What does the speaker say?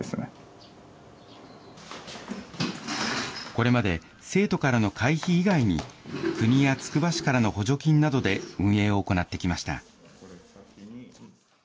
これまで生徒からの会費以外に、国やつくば市からの補助金などで運営を行ってきました。